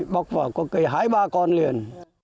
bóc vào có cây hái ba con liền